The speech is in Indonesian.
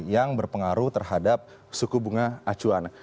yang berpengaruh terhadap suku bunga acuan